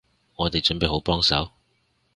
我哋準備好幫手